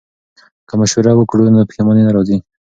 که مشوره وکړو نو پښیماني نه راځي.